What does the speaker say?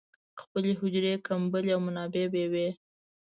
خپلې حجرې، کمبلې او منابع به یې وې.